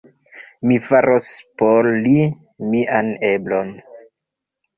Mi faros por li mian eblon.